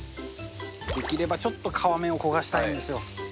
できればちょっと皮目を焦がしたいんですよ。